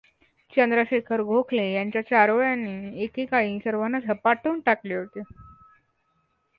चंद्रशेखर गोखले यांच्या चारोळ्यानी एके काळी सर्वांना झपाटून टाकले होते.